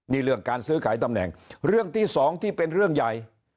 นี่เรื่องการซื้อขายตำแหน่งเรื่องที่สองที่เป็นเรื่องใหญ่